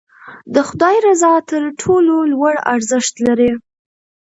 د خدای رضا تر ټولو لوړ ارزښت لري.